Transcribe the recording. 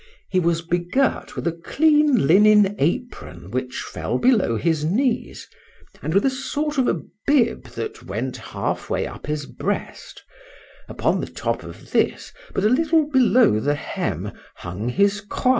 He was begirt with a clean linen apron which fell below his knees, and with a sort of a bib that went half way up his breast; upon the top of this, but a little below the hem, hung his croix.